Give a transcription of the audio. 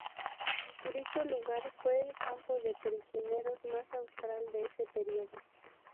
Dicho lugar fue el campo de prisioneros más austral de ese período.